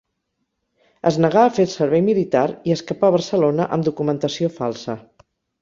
Es negà a fer el servei militar i escapà a Barcelona amb documentació falsa.